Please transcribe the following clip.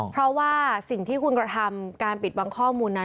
เพราะว่าสิ่งที่คุณกระทำการปิดบังข้อมูลนั้น